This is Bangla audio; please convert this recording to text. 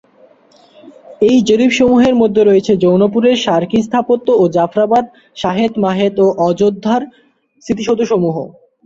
এই জরিপসমূহের মধ্যে রয়েছে জৌনপুরের শারকি স্থাপত্য এবং জাফরাবাদ, শাহেথ, মাহেথ ও অযোধ্যার স্মৃতিসৌধসমূহ।